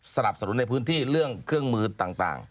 สนับสนุนในพื้นที่เรื่องเครื่องมือต่าง